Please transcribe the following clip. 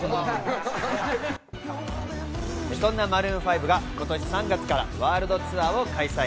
そんなマルーン５は今年３月からワールドツアーを開催。